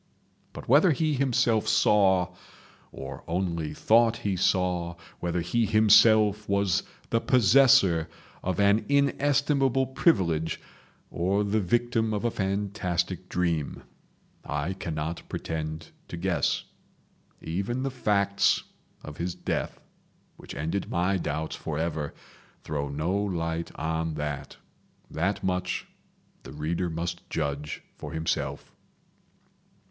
But whether he himself saw, or only thought he saw, whether he himself was the possessor of an inestimable privilege, or the victim of a fantastic dream, I cannot pretend to guess. Even the facts of his death, which ended my doubts forever, throw no light on that. That much the reader must judge for himself.